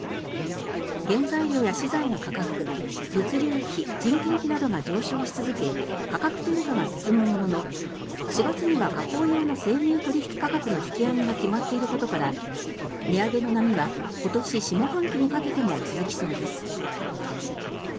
原材料や資材の価格物流費、人件費などが上昇し続け価格転嫁が進むものの４月には加工用の生乳取引価格の引き上げが決まっていることから値上げの波は今年下半期にかけても続きそうです。